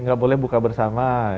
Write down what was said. nggak boleh buka bersama gitu kan